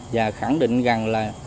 và khẳng định rằng là